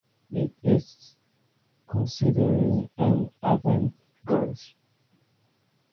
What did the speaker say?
It is considered experimental and avant-garde.